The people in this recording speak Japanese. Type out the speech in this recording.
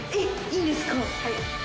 はい。